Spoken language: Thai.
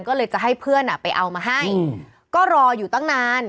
ก็เลยจะให้เพื่อนไปเอามาให้ก็รออยู่ตั้งนาน